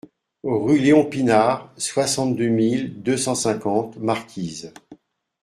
Rue Léon Pinart, soixante-deux mille deux cent cinquante Marquise